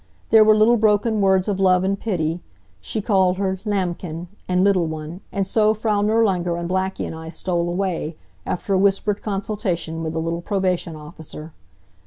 There were little broken words of love and pity. She called her "Lammchen" and "little one," and so Frau Nirlanger and Blackie and I stole away, after a whispered consultation with the little probation officer.